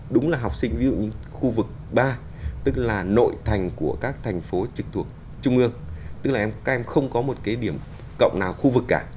đúng là học sinh ví dụ như khu vực ba tức là nội thành của các thành phố trực thuộc trung ương tức là các em không có một cái điểm cộng nào khu vực cả